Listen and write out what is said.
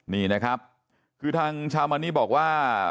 นี่นะครับคือทางชาวมานี่บอกว่า